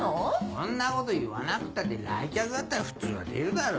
そんなこと言わなくたって来客があったら普通は出るだろ。